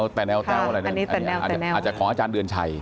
อันนี้แต่แนวอะไรอันนี้อาจจะขออาจารย์เดือนชัย